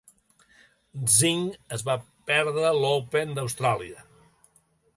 Czink es va perdre l'Open d'Austràlia.